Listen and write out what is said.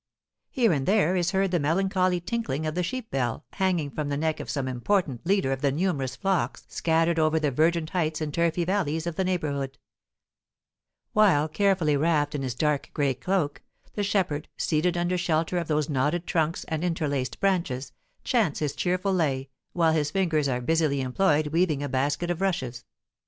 Here and there is heard the melancholy tinkling of the sheep bell hanging from the neck of some important leader of the numerous flocks scattered over the verdant heights and turfy valleys of the neighbourhood; while, carefully wrapped in his dark gray cloak, the shepherd, seated under shelter of those knotted trunks and interlaced branches, chants his cheerful lay, while his fingers are busily employed weaving a basket of rushes.